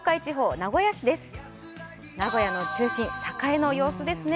名古屋の中心、栄の様子ですね。